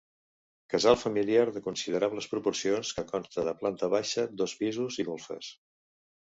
Casal familiar de considerables proporcions que consta de planta baixa, dos pisos i golfes.